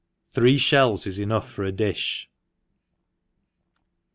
Three Ihells is enough for a dilh.